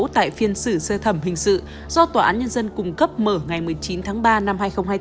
tại phiên xử sơ thẩm hình sự do tòa án nhân dân cung cấp mở ngày một mươi chín tháng ba năm hai nghìn hai mươi bốn